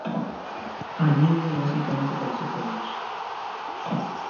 I knew I wasn't going to go to college.